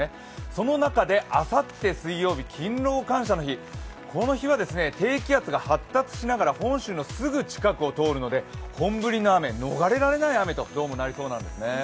その中で、あさって水曜日勤労感謝の日、この日は低気圧が発達しながら、本州のすぐ近くを通るので本降りの雨、逃れられない雨とどうもなりそうなんですね。